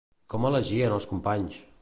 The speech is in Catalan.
Com elegien els companys?